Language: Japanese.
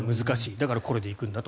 だから、これで行くんだと。